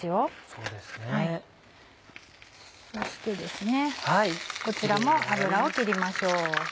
そしてこちらも油を切りましょう。